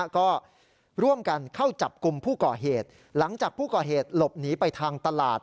ก็ร่วมกันเข้าจับกลุ่มผู้ก่อเหตุหลังจากผู้ก่อเหตุหลบหนีไปทางตลาด